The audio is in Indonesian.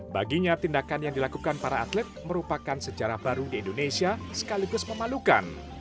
baginya tindakan yang dilakukan para atlet merupakan sejarah baru di indonesia sekaligus memalukan